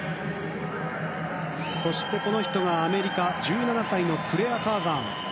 そして、この人がアメリカ１７歳のクレア・カーザン。